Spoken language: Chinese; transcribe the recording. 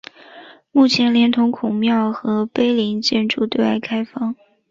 目前连同孔庙和碑林建筑对外开放。